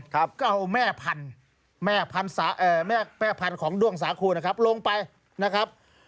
ก็เอาแม่พันธุ์ของด้วงสาคูนะครับลงไปนะครับ